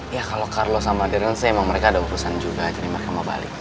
ya kalau carlo sama deren sih emang mereka ada urusan juga jadi mereka mau balik